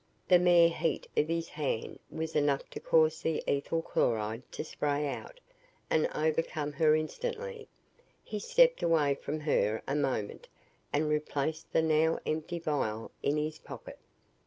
The mere heat of his hand was enough to cause the ethyl chloride to spray out and overcome her instantly. He stepped away from her a moment and replaced the now empty vial in his pocket.